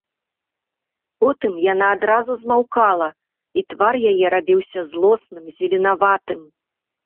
Потым яна адразу змаўкала, і твар яе рабіўся злосным, зеленаватым.